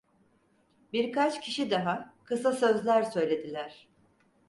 Birkaç kişi daha, kısa sözler söylediler.